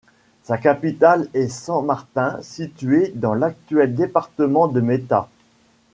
Sa capitale est San Martín, situé dans l'actuel département de Meta.